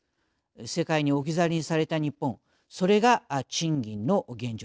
世界に置き去りにされた日本それが賃金の現状です。